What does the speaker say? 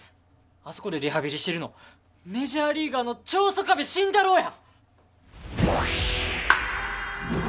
あそこでリハビリしてるのメジャーリーガーの長曽我部慎太郎や！